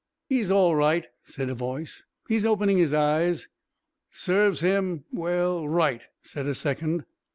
"He's all right," said a voice. "He's opening his eyes." "Serve him well right," said a second.